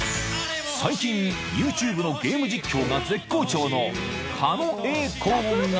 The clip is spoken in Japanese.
［最近ＹｏｕＴｕｂｅのゲーム実況が絶好調の］